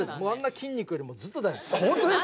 あんな筋肉よりもずっと大事。